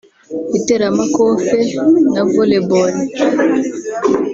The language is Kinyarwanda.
iteramakofe na volleyball